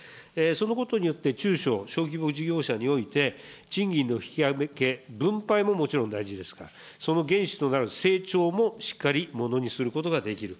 そのことによって、中小・小規模事業者において、賃金の引き上げ、分配ももちろん大事ですが、その原資となる成長も、しっかりものにすることができる。